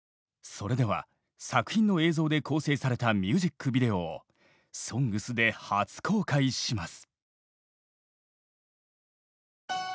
それでは作品の映像で構成されたミュージックビデオを「ＳＯＮＧＳ」で初公開します。